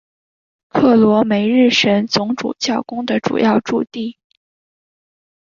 克罗梅日什总主教宫的主要驻地。